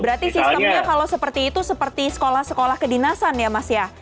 berarti sistemnya kalau seperti itu seperti sekolah sekolah kedinasan ya mas ya